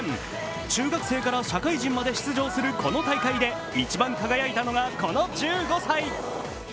中学生から社会人まで出場するこの大会で一番輝いたのがこの１５歳。